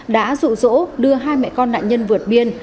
đã rụ rỗ đưa hai mẹ con nạn nhân vượt biên